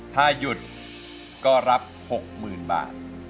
ถ้าหยุดก็รับ๖๐๐๐บาท